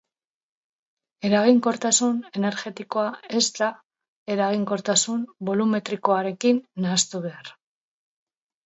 Eraginkortasun energetikoa ez da eraginkortasun bolumetrikoarekin nahastu behar.